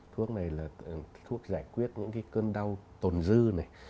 thuốc này là thuốc giải quyết những cái cơn đau tồn dư này